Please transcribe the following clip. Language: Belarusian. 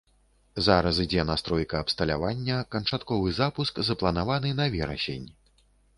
Зараз ідзе настройка абсталявання, канчатковы запуск запланаваны на верасень.